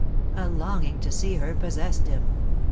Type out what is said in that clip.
A longing to see her possessed him.